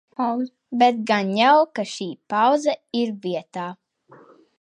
Bet gan jau, ka šī pauze ir vietā.